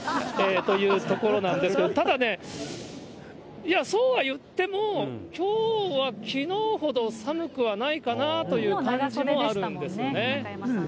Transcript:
というところなんですけど、ただね、いや、そうはいっても、きょうはきのうほど寒くはないかなという感じもあるんですよね。